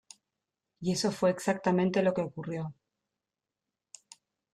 Y eso fue exactamente lo que ocurrió.